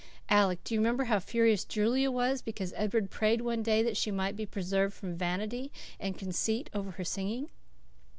Alec, do you remember how furious Julia was because Edward prayed one day that she might be preserved from vanity and conceit over her singing?"